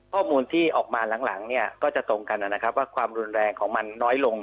ข้อมูลที่ออกมาหลังเนี่ยก็จะตรงกันนะครับว่าความรุนแรงของมันน้อยลง